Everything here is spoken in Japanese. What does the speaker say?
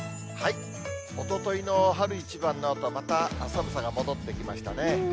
おとといの春一番のあと、また寒さが戻ってきましたね。